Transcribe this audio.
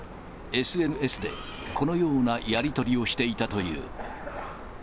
ＳＮＳでこのようなやり取りをしていたという。